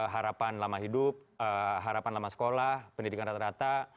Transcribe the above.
harapan lama hidup harapan lama sekolah pendidikan rata rata